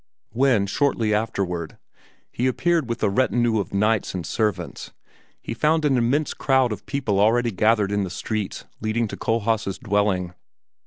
When, shortly afterward, he appeared with a retinue of knights and servants, he found an immense crowd of people already gathered in the streets leading to Kohlhaas' dwelling.